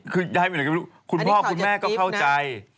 คือคุณพ่อคุณแม่ก็เข้าใจ